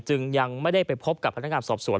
ยังไม่ได้ไปพบกับพนักงานสอบสวน